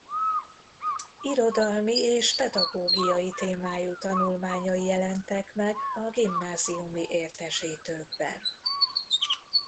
Irodalmi és pedagógiai témájú tanulmányai jelentek meg a gimnáziumi értesítőkben.